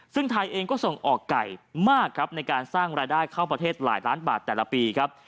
ซึ่งไทยเองก็ส่งออกไก่มากครับในการสร้างรายได้เข้าประเทศหลายล้านบาทแต่ละปีครับ